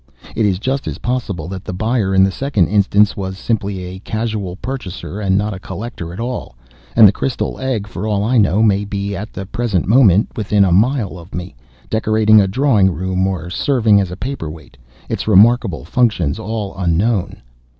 It is just as possible that the buyer in the second instance was simply a casual purchaser and not a collector at all, and the crystal egg, for all I know, may at the present moment be within a mile of me, decorating a drawing room or serving as a paper weight its remarkable functions all unknown.